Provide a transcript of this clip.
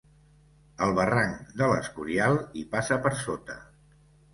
El barranc de l'Escorial hi passa per sota.